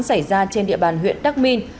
xảy ra trên địa bàn huyện đắk minh